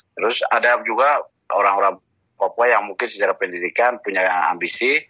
terus ada juga orang orang papua yang mungkin secara pendidikan punya ambisi